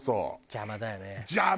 邪魔だよね！